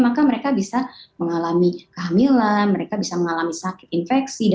maka mereka bisa mengalami kehamilan mereka bisa mengalami sakit infeksi